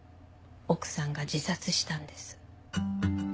奥さんが自殺したんです。